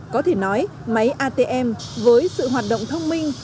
có thể nói máy atm với sự hoạt động thông minh